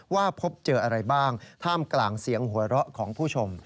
ว่าพบเจออะไรบ้างท่ามกลางเสียงหัวเราะของผู้ชม